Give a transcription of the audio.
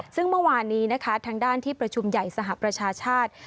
ซึ่งเมื่อวานนี้นะคะทางด้านที่ประชุมใหญ่สหประชาชาติ